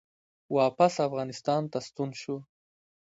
واپس افغانستان ته ستون شو